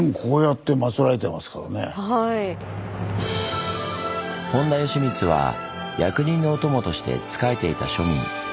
でも本田善光は役人のお供として仕えていた庶民。